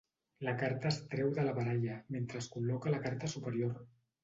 La carta es treu de la baralla, mentre es col·loca la carta superior.